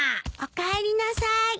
おかえりなさい。